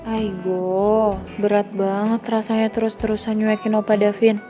aigo berat banget rasanya terus terusan nyewekin opa davin